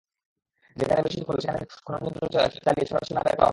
যেখানে বেশি দখল, সেখানে খননযন্ত্র চালিয়ে ছড়ার সীমানা বের করা হবে।